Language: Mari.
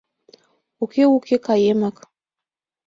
Уке, уке, каемак.